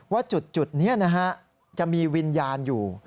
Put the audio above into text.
ว่าจุดนี้นะฮะจะมีวิญญาณอยู่